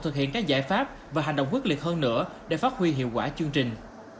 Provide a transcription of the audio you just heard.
thực hiện các giải pháp và hành động quyết liệt hơn nữa để phát huy hiệu quả chương trình